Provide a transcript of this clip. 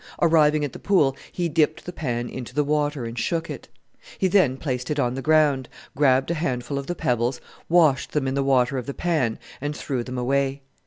Arriving at the pool, he dipped the pan into the water and shook it. He then placed it on the ground, grabbed a handful of the pebbles, washed them in the water of the pan, and threw them away.